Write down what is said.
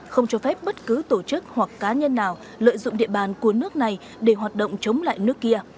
không cho phép bất cứ tổ chức hoặc cá nhân nào lợi dụng địa bàn của nước này để hoạt động chống lại nước kia